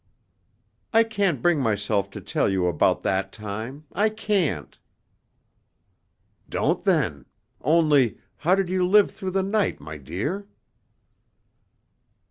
"I can't bring myself to tell you about that time I can't!" "Don't, then only, how did you live through the night, my dear?"